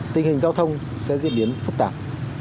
tình hình giao thông sẽ diễn biến phức tạp